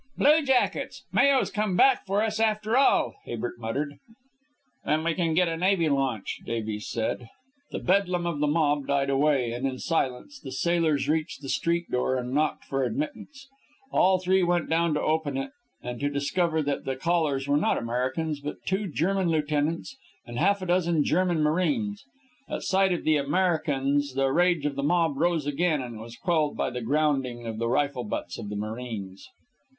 "Bluejackets Mayo's come back for us after all," Habert muttered. "Then we can get a navy launch," Davies said. The bedlam of the mob died away, and, in silence, the sailors reached the street door and knocked for admittance. All three went down to open it, and to discover that the callers were not Americans but two German lieutenants and half a dozen German marines. At sight of the Americans, the rage of the mob rose again, and was quelled by the grounding of the rifle butts of the marines.